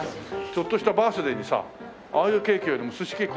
ちょっとしたバースデーにさああいうケーキよりも寿司ケーキ